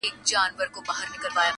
فيصله د اسمانو د عدالت ده؛